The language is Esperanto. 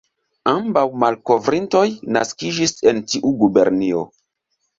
Ambaŭ malkovrintoj naskiĝis en tiu gubernio.